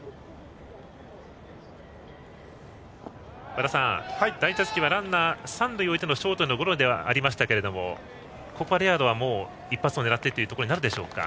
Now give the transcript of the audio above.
和田さん、第１打席はランナー三塁に置いてショートゴロではありましたけどもここはレアードは一発を狙ってとなりますか？